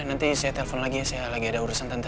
nanti saya telepon lagi ya saya lagi ada urusan tante